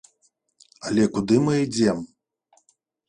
Але куды мы ідзём?